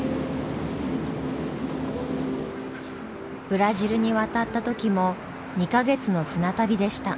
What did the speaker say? ブラジルに渡った時も２か月の船旅でした。